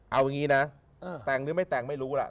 เอาอย่างนี้นะแต่งหรือไม่แต่งไม่รู้ล่ะ